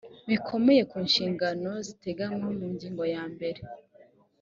bikomeye ku nshingano ziteganywa mu ngingo yambere